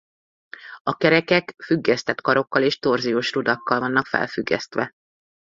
A kerekek függesztett karokkal és torziós rudakkal vannak felfüggesztve.